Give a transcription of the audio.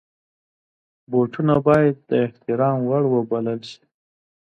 بوټونه باید د احترام وړ وبلل شي.